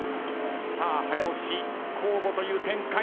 さあ早押し交互という展開。